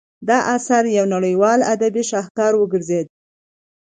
دا اثر یو نړیوال ادبي شاهکار وګرځید.